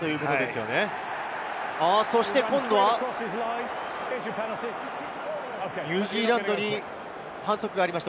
そして今度はニュージーランドに反則がありました。